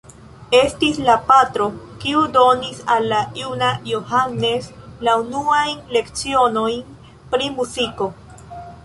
Estis la patro, kiu donis al la juna Johannes la unuajn lecionojn pri muziko.